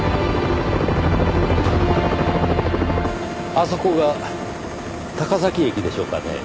あそこが高崎駅でしょうかねぇ。